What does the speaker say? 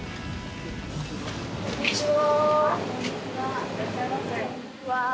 こんにちは。